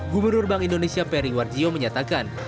gubernur bank indonesia peri warjio menyatakan